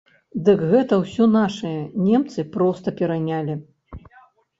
Дык гэта ўсё нашае, немцы проста перанялі!